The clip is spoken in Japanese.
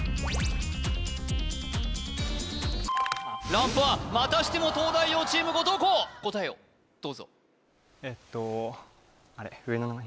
ランプはまたしても東大王チーム後藤弘答えをどうぞえっとあれ上の名前